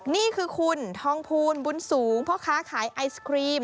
นี่คือคุณทองภูลบุญสูงพ่อค้าขายไอศครีม